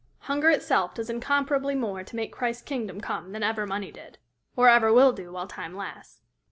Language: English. Hunger itself does incomparably more to make Christ's kingdom come than ever money did, or ever will do while time lasts.